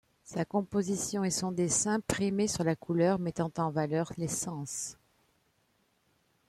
Sa composition et son dessin primait sur la couleur mettant en valeur les sens.